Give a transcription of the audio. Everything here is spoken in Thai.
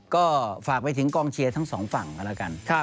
ก็ฝากไปถึงกองเชียร์ทั้งสองฝั่งกันแล้วกัน